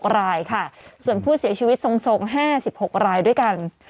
รายค่ะส่วนผู้เสียชีวิตทรง๕๖รายด้วยกัน